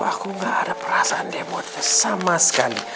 aku gak ada perasaan dia buat kita sama sekali